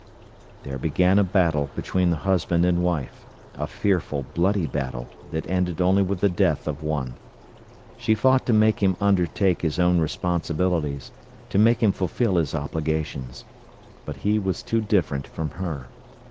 There began a battle between the husband and wife—a fearful, bloody battle that ended only with the death of one. She fought to make him undertake his own responsibilities, to make him fulfill his obligations. But he was too different from her.